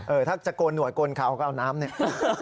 ถ้าจะโกนหวดโกนเขาก็เอาน้ำเนี่ย